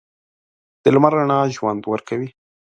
د لمر رڼا ژوند ورکوي.